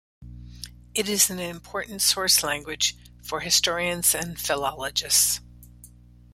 It is an important source language for historians and philologists.